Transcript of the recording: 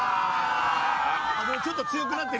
ちょっと強くなってる。